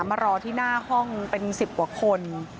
มารอที่หน้าห้องเป็น๑๐กว่าคน